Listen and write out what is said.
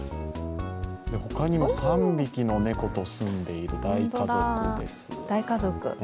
他にも３匹の猫と住んでいる大家族です。